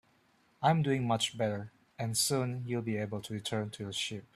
I'm doing much better, and soon you'll be able to return to your sheep.